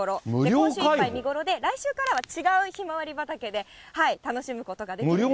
今週いっぱい見頃で、来週からは違うひまわり畑で楽しむことができるんですね。